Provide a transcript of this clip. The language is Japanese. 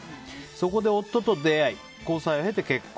そこで夫と出会い交際を経て結婚。